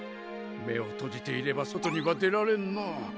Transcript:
目を閉じていれば外には出られんのう。